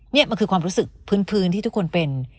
นี่มันคือความรู้สึกพื้นที่ทุกคนเป็น